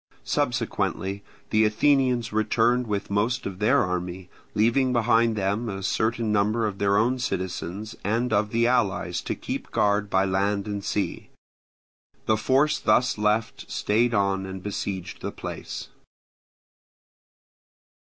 Subsequently the Athenians returned with most of their army, leaving behind them a certain number of their own citizens and of the allies to keep guard by land and sea. The force thus left stayed on and besieged the place.